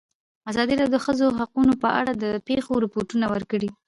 ازادي راډیو د د ښځو حقونه په اړه د پېښو رپوټونه ورکړي.